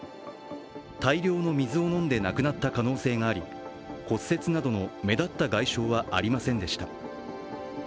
大量の水を飲んで亡くなった可能性があり骨折などの目立った外傷はありませんでした。